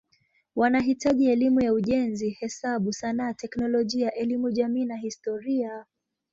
Wanahitaji elimu ya ujenzi, hesabu, sanaa, teknolojia, elimu jamii na historia.